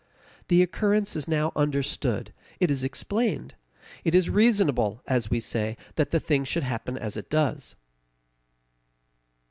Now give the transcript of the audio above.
The occurrence is now understood; it is explained; it is reasonable, as we say, that the thing should happen as it does.